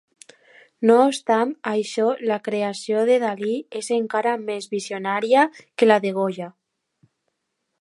No obstant això, la creació de Dalí és encara més visionària que la de Goya.